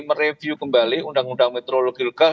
mereview kembali undang undang metrologi legal